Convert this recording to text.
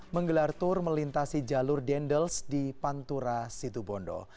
menggelar tur melintasi jalur dendels di pantura situ bondo